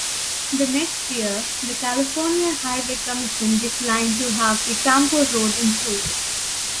The next year, the California Highway Commission declined to have the Campo road improved.